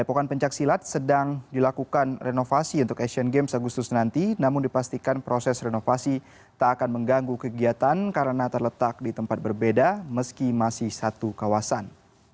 pembangunan penyelenggara asian games akan dilakukan renovasi untuk asian games agustus nanti namun dipastikan proses renovasi tak akan mengganggu kegiatan karena terletak di tempat berbeda meski masih satu kawasan